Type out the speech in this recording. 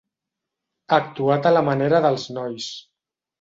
Actuat a la manera dels nois.